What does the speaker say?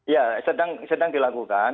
ya sedang dilakukan